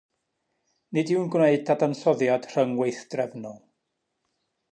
Nid yw'n gwneud dadansoddiad rhyng-weithdrefnol.